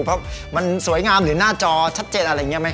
เพราะมันสวยงามหรือหน้าจอชัดเจนอะไรอย่างนี้ไหม